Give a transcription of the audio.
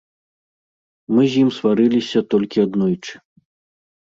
Мы з ім сварыліся толькі аднойчы.